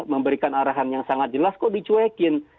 memberikan arahan yang sangat jelas kok dicuekin